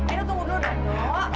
edo tunggu dulu dong